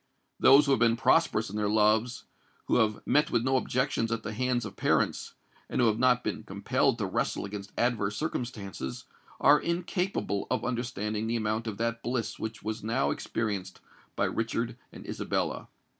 Those who have been prosperous in their loves,—who have met with no objections at the hands of parents, and who have not been compelled to wrestle against adverse circumstances,—are incapable of understanding the amount of that bliss which was now experienced by Richard and Isabella.